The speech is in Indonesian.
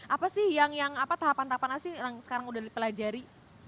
apa sih yang tahapan tahapan asli yang sekarang udah dipelajari